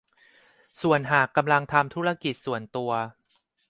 ส่วนหากกำลังทำธุรกิจส่วนตัว